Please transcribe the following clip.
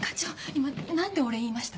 今何でお礼言いました？